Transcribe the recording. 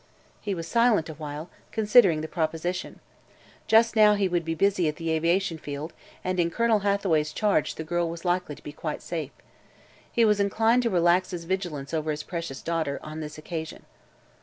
He was silent a while, considering the proposition. Just now he would be busy at the aviation field and in Colonel Hathaway's charge the girl was likely to be quite safe. He was inclined to relax his vigilance over his precious daughter, on this occasion.